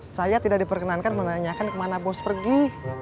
saya tidak diperkenankan menanyakan kemana bos pergi